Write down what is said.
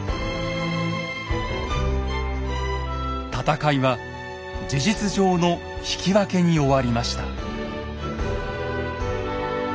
戦いは事実上の引き分けに終わりました。